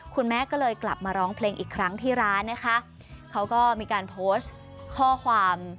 คุณแม่ก็เลยกลับมาร้องเพลงอีกครั้งที่ร้านนะคะเขาก็มีการโพสต์ข้อความ